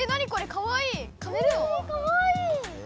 かわいい！